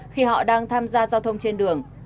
khi họ đang tham gia giao thông trên đường